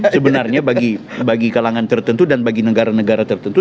sebenarnya bagi kalangan tertentu dan bagi negara negara tertentu